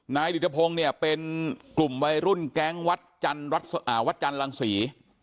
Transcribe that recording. ดิตพงศ์เนี่ยเป็นกลุ่มวัยรุ่นแก๊งวัดจันทรังศรี